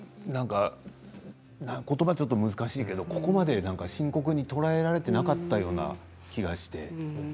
ことばは、ちょっと難しいけれどここまで深刻に捉えられていなかったような気がして。